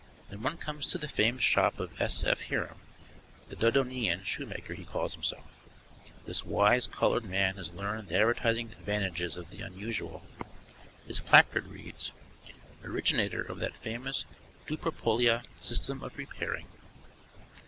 Then one comes to the famous shop of S. F. Hiram, the Dodoneaean Shoemaker he calls himself. This wise coloured man has learned the advertising advantages of the unusual. His placard reads: Originator of that famous Dobrupolyi System of repairing.